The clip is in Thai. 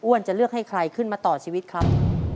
จะเลือกให้ใครขึ้นมาต่อชีวิตครับ